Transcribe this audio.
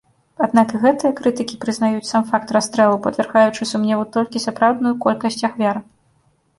Аднак і гэтыя крытыкі прызнаюць сам факт расстрэлаў, падвяргаючы сумневу толькі сапраўдную колькасць ахвяр.